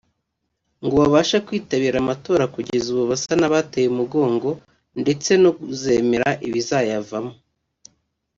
ngo babashe kwitabira amatora kugeza ubu basa n’abateye umugongo ndetse no kuzemera ibizayavamo